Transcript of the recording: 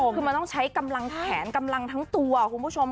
คือมันต้องใช้กำลังแขนกำลังทั้งตัวคุณผู้ชม